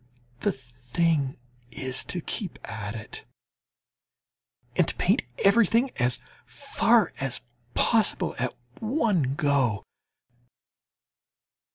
The thing is to keep at it, and to paint everything as far as possible at one go!